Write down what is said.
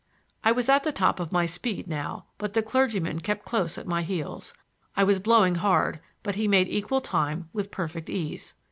I was at the top of my speed now, but the clergyman kept close at my heels. I was blowing hard, but he made equal time with perfect ease.